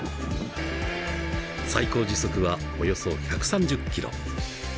最高時速はおよそ１３０キロ。